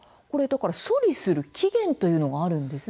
処理する期限というのがあるんですね。